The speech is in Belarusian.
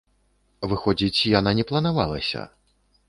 Выходзіць, яна не планавалася?